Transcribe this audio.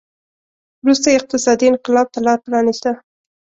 وروسته یې اقتصادي انقلاب ته لار پرانېسته.